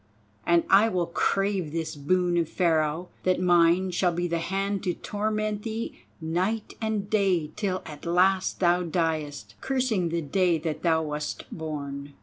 And I will crave this boon of Pharaoh, that mine shall be the hand to torment thee night and day till at last thou diest, cursing the day that thou wast born."